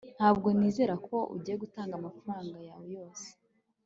ntabwo nizera ko ugiye gutanga amafaranga yawe yose